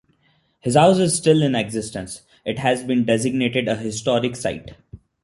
His house is still in existence; it has been designated a historic site.